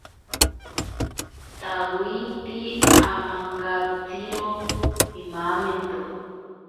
Tawiti amankatsiro imamento.